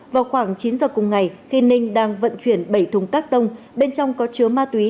vào khoảng chín giờ cùng ngày khi ninh đang vận chuyển bảy thùng các tông bên trong có chứa ma túy